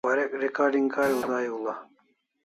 Warek recording kariu dai hul'a